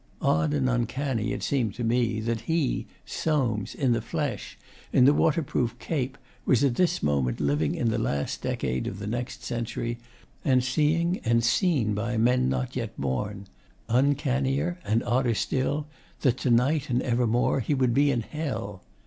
Odd and uncanny it seemed to me that he, Soames, in the flesh, in the waterproof cape, was at this moment living in the last decade of the next century, poring over books not yet written, and seeing and seen by men not yet born. Uncannier and odder still, that to night and evermore he would be in Hell.